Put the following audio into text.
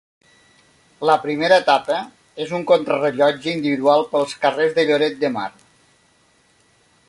La primera etapa és una contrarellotge individual pels carrers de Lloret de Mar.